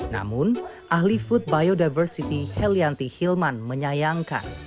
namun ahli food biodiversity helianti hilman menyayangkan